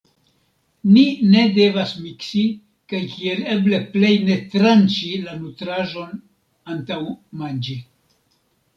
Ni ne devas miksi, kaj kiel eble plej ne tranĉi la nutraĵon antaŭ manĝi.